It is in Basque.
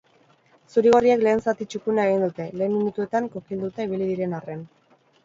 Zuri-gorriek lehen zati txukuna egin dute, lehen minutuetan kokilduta ibili diren arren.